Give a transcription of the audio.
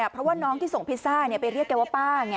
เพราะว่าน้องที่ส่งพิซซ่าไปเรียกแกว่าป้าไง